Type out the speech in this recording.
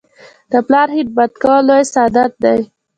د پلار خدمت کول لوی سعادت دی.